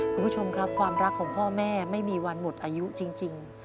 คุณผู้ชมครับความรักของพ่อแม่ไม่มีวันหมดอายุจริง